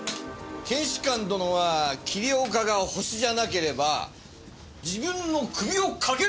検視官殿は桐岡がホシじゃなければ自分の首をかけるとおっしゃった！